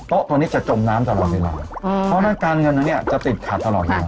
โต๊ะตัวนี้จะจมน้ำตลอดเวลาอืมเพราะว่าการเงินนี้จะติดขัดตลอดเวลา